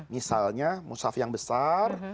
misalnya musyaf yang besar